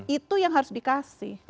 itu yang harus dikasih